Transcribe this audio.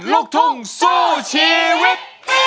ลูกทุ่งสู้ชีวิต